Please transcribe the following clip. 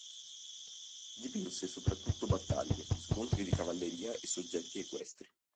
Dipinse soprattutto battaglie, scontri di cavalleria e soggetti equestri.